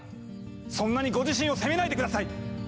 そんなにご自身を責めないで下さい！